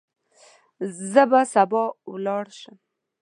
زه به سبا ولاړ شم.